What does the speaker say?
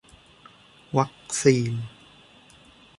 วัคซีน